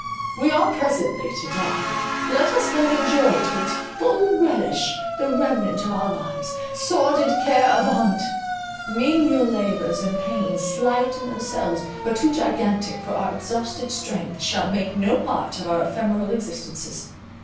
We are presently to die, let us then enjoy to its full relish the remnant of our lives. Sordid care, avaunt! menial labours, and pains, slight in themselves, but too gigantic for our exhausted strength, shall make no part of our ephemeral existences.